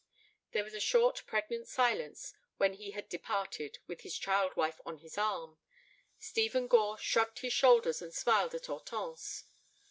There was a short, pregnant silence when he had departed with his child wife on his arm. Stephen Gore shrugged his shoulders and smiled at Hortense.